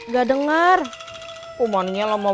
jadinya mandinya lama